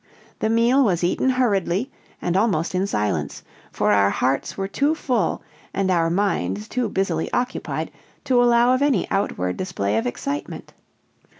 The meal was eaten hurriedly and almost in silence, for our hearts were too full, and our minds too busily occupied, to allow of any outward display of excitement.